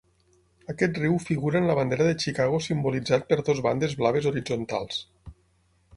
Aquest riu figura en la bandera de Chicago simbolitzat per dues bandes blaves horitzontals.